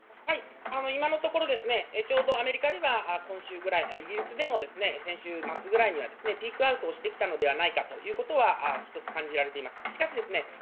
今のところ、ちょうどアメリカでは今週くらい、イギリスでも先週末ぐらいにはピークアウトしてきたのではないかということは一つ感じられています。